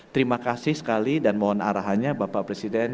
terima kasih sekali dan mohon arahannya bapak presiden